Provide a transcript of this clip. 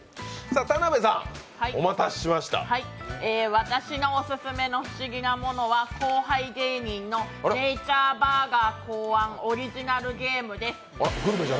私のオススメの不思議なものは後輩芸人のネイチャーバーガー考案、オリジナルゲームです。